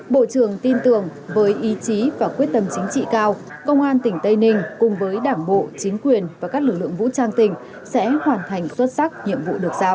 bộ trưởng tin tưởng với ý chí và quyết tâm chính trị cao công an tỉnh tây ninh cùng với đảng bộ chính quyền và các lực lượng vũ trang tỉnh sẽ hoàn thành xuất sắc nhiệm vụ được giao